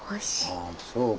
ああそうか。